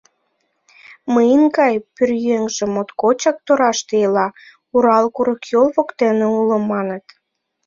Мыйын гай пӧръеҥже моткочак тораште ила — Урал курыкйол воктене уло, маныт...